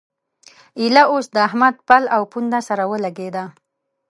ايله اوس د احمد پل او پونده سره ولګېده.